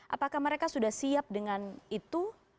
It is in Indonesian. apakah mereka sudah siap dengan itu